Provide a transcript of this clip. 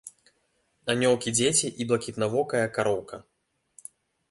Анёлкі-дзеці і блакітнавокая кароўка.